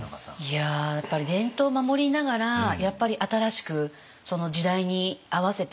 いややっぱり伝統を守りながらやっぱり新しくその時代に合わせて変化していくって。